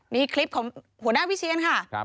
นี่คลิปของหัวหน้าวิเชียนค่ะ